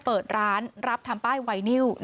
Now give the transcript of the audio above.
เปิดร้านรับทำป้ายไวนิว